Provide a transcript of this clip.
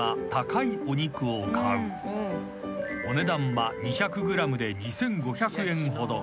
［お値段は２００ｇで２，５００円ほど］